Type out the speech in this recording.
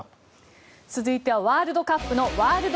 続いてはワールドカップのワールド！